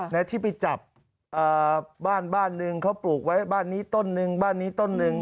นะที่ไปจับบ้านบ้านหนึ่งเขาปลูกไว้บ้านนี้ต้นนึงบ้านนี้ต้นหนึ่ง